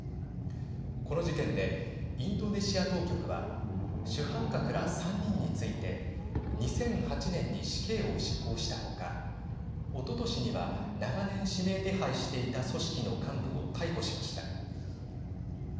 この事件でインドネシア当局は主犯格ら３人について２００８年に死刑を執行した他おととしには長年、指名手配していた組織の幹部を逮捕しました。